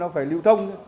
nó phải lưu thông chứ